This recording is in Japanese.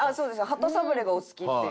鳩サブレーがお好きっていう。